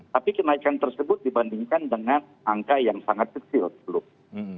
tapi kenaikan tersebut dibandingkan dengan angka yang sangat kecil sebelumnya